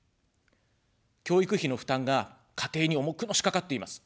教育費の負担が家庭に重くのしかかっています。